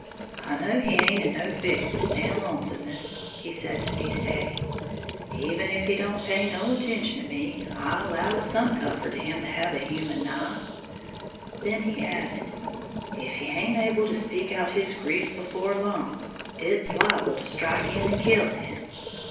"I know he haint in no fix to stand lonesomeness," he said to me to day; "even if he don't pay no attention to me, I allow it's some comfort to him to have a human nigh." Then he added, "If he haint able to speak out his grief before long, it's liable to strike in and kill him.